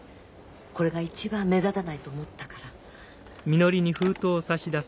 これが一番目立たないと思ったから。